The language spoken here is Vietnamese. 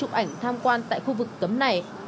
học ảnh tham quan tại khu vực tấm này